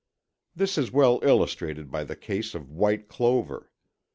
This is well illustrated by the case of white clover.